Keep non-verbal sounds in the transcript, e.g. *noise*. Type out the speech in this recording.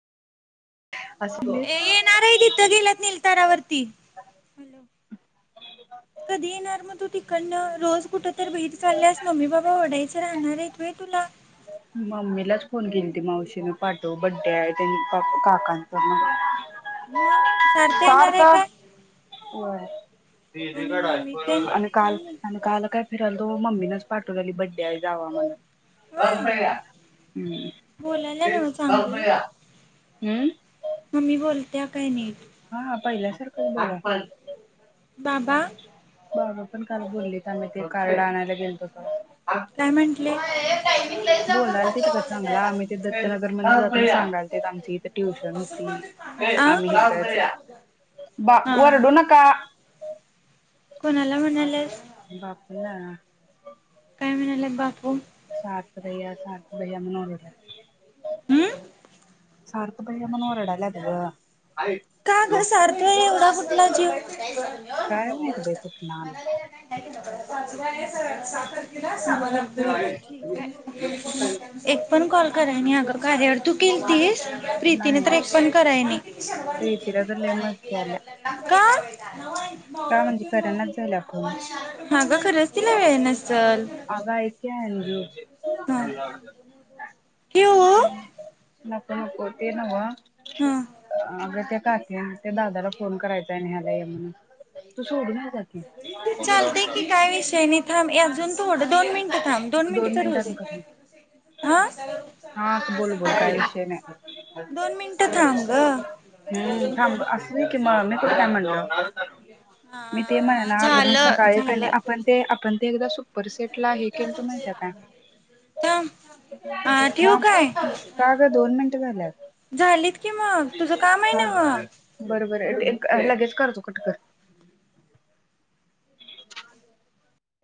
ये असलीस येणार आहे हिथं गेल्यात निलतारावरती हॅलो कधी येणार मग तू त *unintelligible* रोज कुठं तर भेट चाल्यास मम्मी बाबा ओरडाय च राहणार हायत व्हय तुला मम्मीलाच फोन केली ती मावशीने पाठव बड्डे आहे त्यां काकांच मग मग सार्थ सार येणार आहे तर काय आणि मम्मी तेन *unintelligible* आणि कोण काल येईल? आणि काल काय फिर आल तो मम्मीीनाच पाठव आली बड्डे आहे जावा म्हणून होय अभया बोलायला नव्ह हम चांगलं अभया हम्म मम्मी बोलत्या काय निट हा पहिल्यासारखं *unintelligible* बाबा बाबा पण काल बोललीत आम्ही ते कार्ड आणायला गेलत *unintelligible* काय म्हंटले बोलालतीत बा चांगल आम्ही ते दत्तनगर म सांगाल आमची इथे ट्युशन होती आ आम्ही इथ बा हा वरडू नका कोणाला म्हणाल्यास बापला काय म्हणाल्यात बापू सार्थ भयया सार्थ भया म्हणू ओरडल्यात हम्म सारथ भैया म्हणू वरडाल्यात ग का ग सारतो एवढा कुठला जीव *unintelligible* काय माहित बाई कुठनं *unintelligible* *unintelligible* ठीकाय आलाय एक पण कॉल करा आणि अगर काय हर तू केलतीस प्रीतीने तर नाही एक पण कराय नाही प्रीतीला तर लय मस्ती आल्या का का म्हणजे करनाच झाल्या फोन अग खर्च तिला वेळ नसलं अग आईक कि अंजु ठेवू हम् नको नको ते न्हवं हा अग त्या ते दादाला फोन करायचा आहे न्ह्यायला ये म्हणून तू सोडून ये जा कि चालतय की काय विषय नाही थांब अजून थोडं दोन मिनिटं थांब दोन मिनट तर होऊ मिनिटांन कर दे आ हा बोल बोल काय विषय नाही. दोन मिनिटं थांब ग असु दे की मग मी कुठ म्हणल मी ते हा म्हणणा अग मी झालं सकाळी कणी झालं आपण ते आपण ते एकदा परिस्थती तुला हे केलतो माहित आहे थांब हा काय ठेवू थांब काय का ग दोन मिनट झाल्यात झालीत कि मग तुझं काम आहे हा नव बरोबर लगेच करतो कटकर